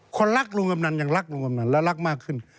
คนรักลุงกำนันยังรักลุงกำนันและรักมากขึ้น